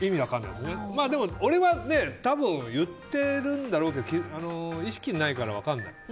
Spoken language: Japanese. でも俺は多分、言ってるんだろうけど意識ないから分からない。